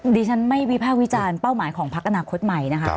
ดิฉันไม่วิภาควิจารณ์เป้าหมายของพักอนาคตใหม่นะคะ